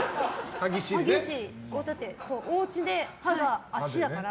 だって、おうちで歯が足だから。